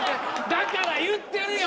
だから言ってるやん。